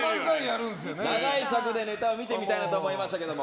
長い尺でネタを見てみたいなと思いましたけども。